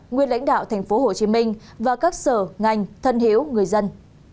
nguyên lãnh đạo tp hcm và các sở ngành thân hiếu người dân